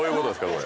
これ。